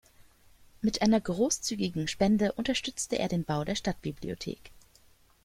Mit einer großzügigen Spende unterstützte er den Bau der Stadtbibliothek.